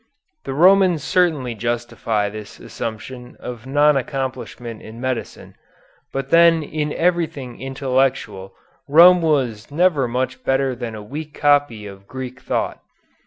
The Romans certainly justify this assumption of non accomplishment in medicine, but then in everything intellectual Rome was never much better than a weak copy of Greek thought.